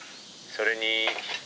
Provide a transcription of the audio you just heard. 「それに？」